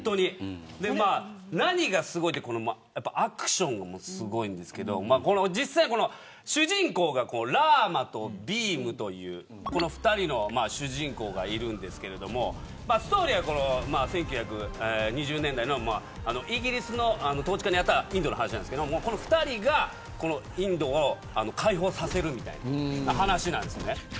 何がすごいってアクションもすごいんですけど実際、主人公がラーマとビームという２人の主人公がいるんですけどストーリーは１９２０年代のイギリスの統治下にあったインドの話なんですけどこの２人がインドを解放させるみたいな話なんですね。